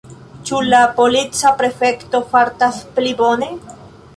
Ĉu la polica prefekto fartas pli bone?